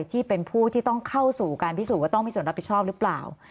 ที่เป็นผู้ที่ต้องเข้าสู่การพิสูจนว่าต้องมีส่วนรับผิดชอบหรือเปล่า